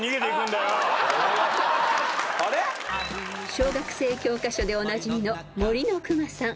［小学生教科書でおなじみの『森のくまさん』］